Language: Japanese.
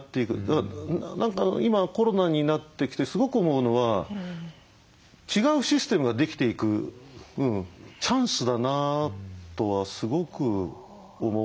何か今コロナになってきてすごく思うのは違うシステムができていくチャンスだなとはすごく思うんですよね。